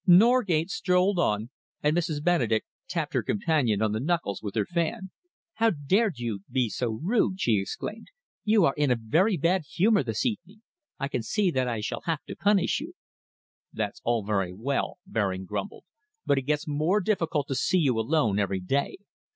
Norgate strolled on, and Mrs. Benedek tapped her companion on the knuckles with her fan. "How dared you be so rude!" she exclaimed. "You are in a very bad humour this evening. I can see that I shall have to punish you." "That's all very well," Baring grumbled, "but it gets more difficult to see you alone every day.